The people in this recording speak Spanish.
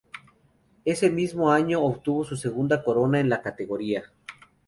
Ese mismo año obtuvo su segunda corona en la categoría.